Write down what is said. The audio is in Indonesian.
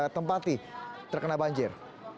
tempati terkena banjir